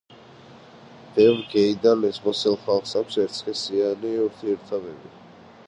ბევრ გეი და ლესბოსელ ხალხს აქვს ერთსქესიანი ურთიერთობები.